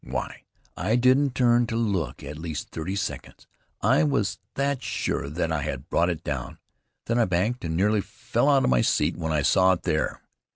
Why, I didn't turn to look for at least thirty seconds. I was that sure that I had brought it down. Then I banked and nearly fell out of my seat when I saw it there.